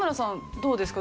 どうですか？